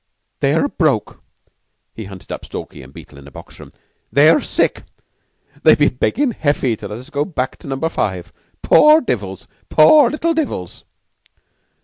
"They're broke!" He hunted up Stalky and Beetle in a box room. "They're sick! They've been beggin' Heffy to let us go back to Number Five. Poor devils! Poor little devils!"